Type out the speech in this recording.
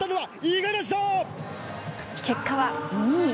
結果は２位。